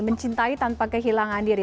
mencintai tanpa kehilangan diri